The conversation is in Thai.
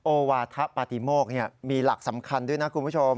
โอวาธะปฏิโมกมีหลักสำคัญด้วยนะคุณผู้ชม